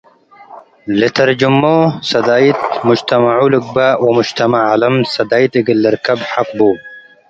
ልተርጀሞ ሰዳይት ሙጅተመዑ ልግበእ ወሙጅተመዕ ዓለም ሰዳይት እግል ልርከብ ሐቅ ቡ።